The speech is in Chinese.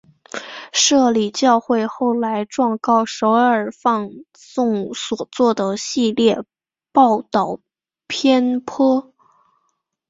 摄理教会后来状告首尔放送所做的系列报导偏颇。